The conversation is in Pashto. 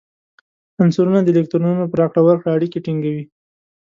عنصرونه د الکترونونو په راکړه ورکړه اړیکې ټینګوي.